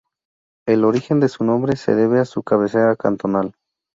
El origen de su nombre se debe a su cabecera cantonal.